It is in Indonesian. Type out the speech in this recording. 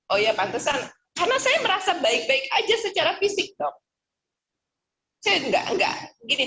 oh iya pantesan karena saya merasa baik baik aja secara fisik dong